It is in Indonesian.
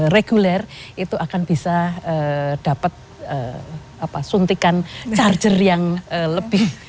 reguler itu akan bisa dapat suntikan charger yang lebih